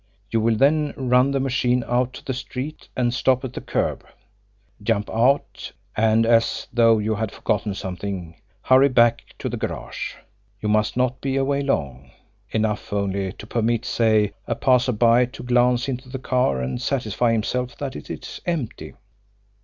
You will then run the machine out to the street and stop at the curb, jump out, and, as though you had forgotten something, hurry back to the garage. You must not be away long enough only to permit, say, a passer by to glance into the car and satisfy himself that it is empty.